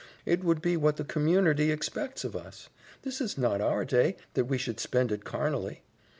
It would be what the communerty expects of us. This is not our day, that we should spend it carnally.